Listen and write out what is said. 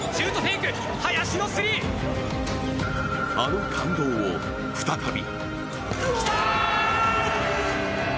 あの感動を、再び。